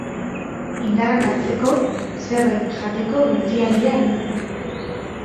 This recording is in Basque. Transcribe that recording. Indarrak hartzeko, zerbait jateko geldiadia egingo dugu.